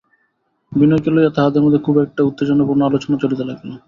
বিনয়কে লইয়া তাহাদের মধ্যে খুব একটা উত্তেজনাপূর্ণ আলোচনা চলিতে লাগিল।